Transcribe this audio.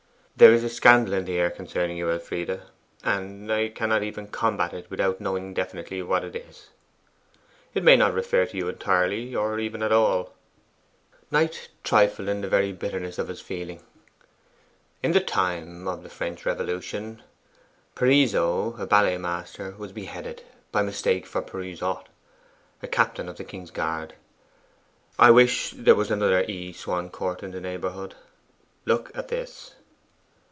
'There is a scandal in the air concerning you, Elfride; and I cannot even combat it without knowing definitely what it is. It may not refer to you entirely, or even at all.' Knight trifled in the very bitterness of his feeling. 'In the time of the French Revolution, Pariseau, a ballet master, was beheaded by mistake for Parisot, a captain of the King's Guard. I wish there was another "E. Swancourt" in the neighbourhood. Look at this.